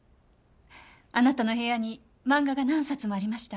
あなたの部屋に漫画が何冊もありました。